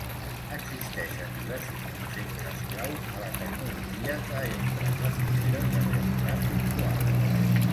Existeixen diversos conceptes clau a la tecnologia que empren les ulleres de realitat virtual.